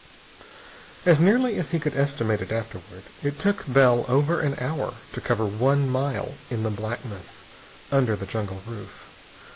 As nearly as he could estimate it afterward, it took Bell over an hour to cover one mile in the blackness under the jungle roof.